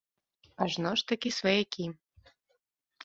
Ажно ж такі сваякі.